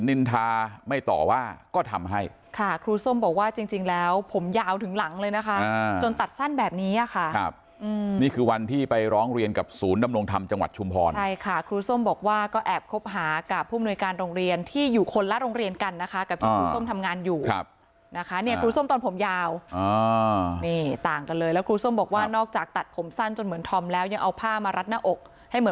เลยนะคะอ่าจนตัดสั้นแบบนี้อะค่ะครับอืมนี่คือวันที่ไปร้องเรียนกับศูนย์ดำรงทำจังหวัดชุมพรใช่ค่ะครูส้มบอกว่าก็แอบคบหากับผู้มนุยการโรงเรียนที่อยู่คนละโรงเรียนกันนะคะกับที่ครูส้มทำงานอยู่ครับนะคะเนี่ยครูส้มตอนผมยาวอ่านี่ต่างกันเลยแล้วครูส้มบอกว่านอกจากตัดผมสั้นจนเหมือนธอมแล้วยังเอ